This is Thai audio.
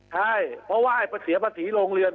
ใช่เพราะว่าไอ้เสียปฐีโรงเรียน